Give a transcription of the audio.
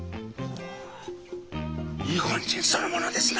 日本人そのものですな。